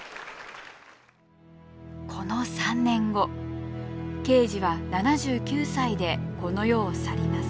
この３年後ケージは７９歳でこの世を去ります。